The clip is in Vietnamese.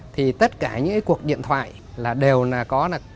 thì tất cả những cuộc điện thoại là đều có là